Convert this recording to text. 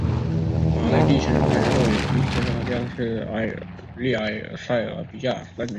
马莱蒂先后参加过第一次世界大战和第二次意大利埃塞俄比亚战争。